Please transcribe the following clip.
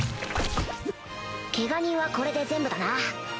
ケガ人はこれで全部だな